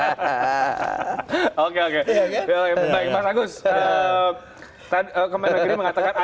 tadi kementerian negeri mengatakan